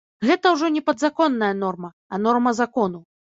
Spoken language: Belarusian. Гэта ўжо не падзаконная норма, а норма закону.